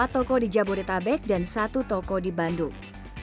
empat toko di jabodetabek dan satu toko di bandung